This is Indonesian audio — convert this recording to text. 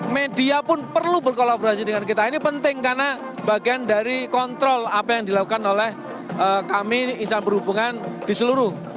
media pun perlu berkolaborasi dengan kita ini penting karena bagian dari kontrol apa yang dilakukan oleh kami insan perhubungan di seluruh